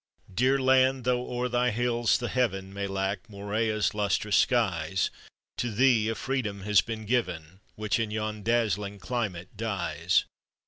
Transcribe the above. Dear land, tho' o'er thy hills, the heaven May lack Morea's lustrous skies To thee a freedom has been given Which in yon dazzling climate dies.